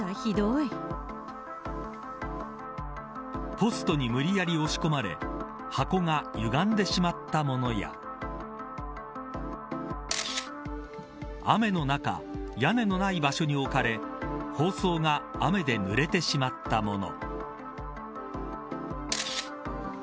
ポストに無理やり押し込まれ箱がゆがんでしまった物や雨の中、屋根のない場所に置かれ包装が雨でぬれてしまったもの。